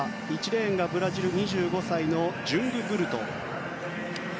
１レーンがブラジル、２５歳のジュングブルト。